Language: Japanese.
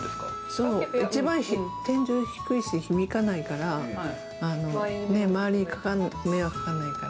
そう、一番天井低いし響かないから周りに迷惑がかからないから。